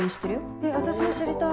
えっ私も知りたい。